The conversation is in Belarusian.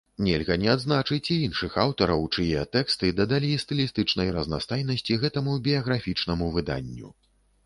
Нельга не адзначыць і іншых аўтараў, чые тэксты дадалі стылістычнай разнастайнасці гэтаму біяграфічнаму выданню.